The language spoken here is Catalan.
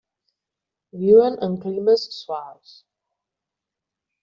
Viuen en climes suaus.